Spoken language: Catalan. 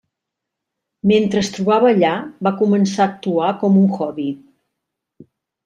Mentre es trobava allà va començar a actuar com un hobby.